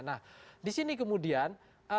nah di sini kemudian